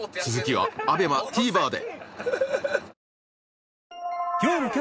続きは ＡＢＥＭＡＴＶｅｒ で